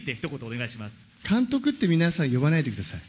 監督って皆さん、呼ばないでください。